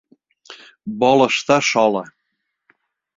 Vol estar sola.